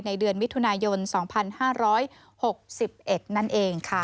เดือนมิถุนายน๒๕๖๑นั่นเองค่ะ